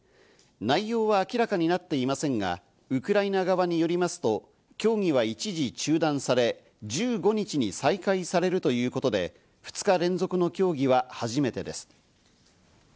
内容は明らかになっていませんが、ウクライナ側によりますと、協議は一時中断され、１５日に再開されるということで、２日連続の協議は初めてです。